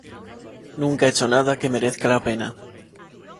Nunca he hecho nada que merezca la pena.